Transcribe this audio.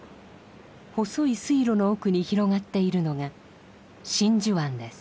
細い水路の奥に広がっているのが真珠湾です。